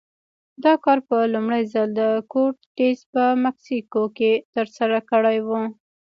دا کار په لومړي ځل کورټز په مکسیکو کې ترسره کړی و.